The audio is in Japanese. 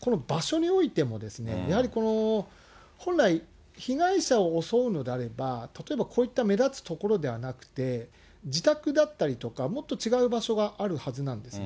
この場所においてもですね、やはり、本来、被害者を襲うのであれば、例えばこういった目立つ所ではなくて、自宅だったりとか、もっと違う場所があるはずなんですね。